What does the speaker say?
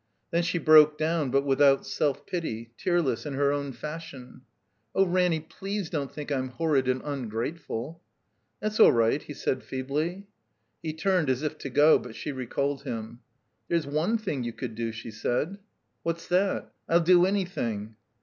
Then she broke down, but without self pity, tearless, in her own fashion. "Oh, Ranny, please don't think I'm horrid and tmgrateftd." "That's all right," he said, feebly. He turned as if to go; but she recalled him. There's one thing you could do," she said. 'What's that? I'll do anything."